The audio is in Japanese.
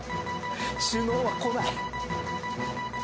首脳は来ない。